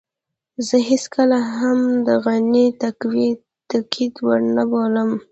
زه هېڅکله هم د غني تقوی د نقد وړ نه بولم.